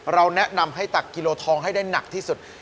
แนะนำให้ตักกิโลทองให้ได้หนักที่สุด